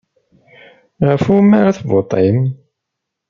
Ɣef wumi ara tevuṭim?